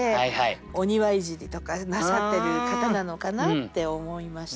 お庭いじりとかなさってる方なのかなって思いました。